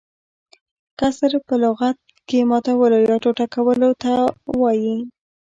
کسر په لغت کښي ماتولو يا ټوټه - ټوټه کولو ته وايي.